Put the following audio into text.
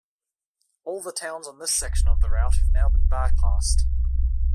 All the towns on this section of the route have now been bypassed.